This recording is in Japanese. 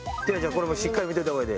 これもうしっかり見といた方がええで。